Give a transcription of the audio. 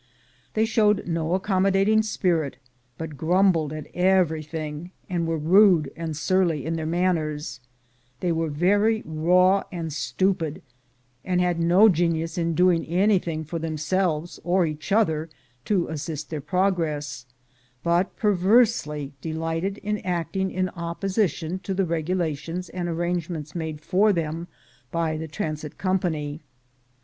They showed no accom modating spirit, but grumbled at everj thing, and were rude and surly in their manners; they were very raw and stupid, and had no genius for doing anything for themselves or each other to assist their progress, but per\'ersely delighted in acting in opposition to the reg ulations and arrangements made for them by the Transit Company.